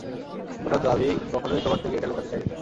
প্রশান্ত, আমি কখনই তোমার থেকে এটা লুকাতে চাইনি।